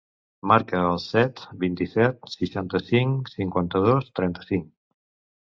Marca el set, vint-i-set, seixanta-cinc, cinquanta-dos, trenta-cinc.